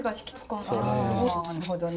なるほどね。